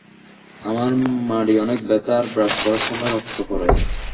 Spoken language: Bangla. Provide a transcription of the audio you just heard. আমার মাড়ি অনেক ব্যথা আর ব্রাশ করার সময় রক্ত পরে।